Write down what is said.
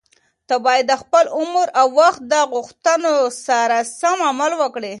ته باید د خپل عمر او وخت د غوښتنو سره سم عمل وکړې.